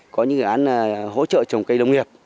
có những dự án hỗ trợ trồng cây đông nghiệp